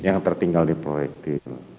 yang tertinggal di proyektil